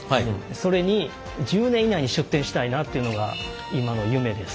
それに１０年以内に出展したいなというのが今の夢です。